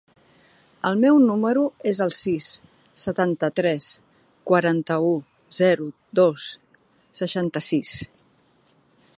El meu número es el sis, setanta-tres, quaranta-u, zero, dos, seixanta-sis.